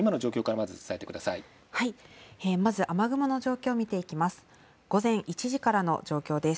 まず、雨雲の状況見ていきます。